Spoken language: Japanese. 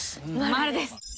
丸です。